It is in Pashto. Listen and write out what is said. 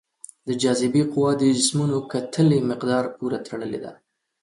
د جاذبې قوه د جسمونو کتلې مقدار پورې تړلې ده.